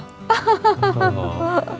masakannya ini semuanya enak enak loh